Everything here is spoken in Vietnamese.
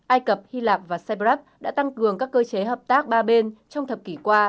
ai cập hy lạp và cybrak đã tăng cường các cơ chế hợp tác ba bên trong thập kỷ qua